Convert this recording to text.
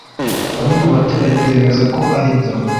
bamwe mu baturanyi bemeza ko aribyo